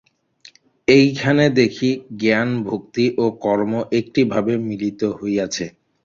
এইখানে দেখি, জ্ঞান ভক্তি ও কর্ম একটি ভাবে মিলিত হইয়াছে।